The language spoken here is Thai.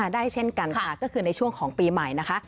เช่นกันค่ะก็คือในช่วงของปีใหม่นะคะ